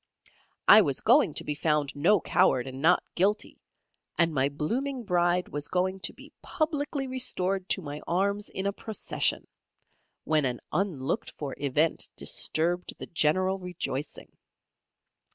I was going to be found "No Coward and Not Guilty," and my blooming Bride was going to be publicly restored to my arms in a procession, when an unlooked for event disturbed the general rejoicing.